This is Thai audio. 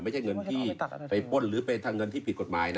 ไม่ใช่เงินที่ไปป้นหรือไปทางเงินที่ผิดกฎหมายนะ